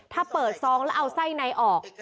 ถ้าเปิดซองแล้วเอาไส้ในออก